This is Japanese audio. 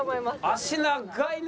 脚長いね。